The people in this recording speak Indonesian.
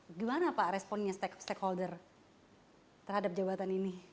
bagaimana pak responnya stakeholder terhadap jabatan ini